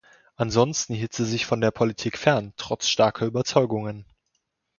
Ansonsten hielt sie sich von der Politik fern, trotz starker Überzeugungen.